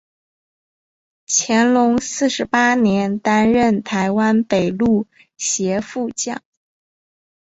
乾隆四十八年担任台湾北路协副将。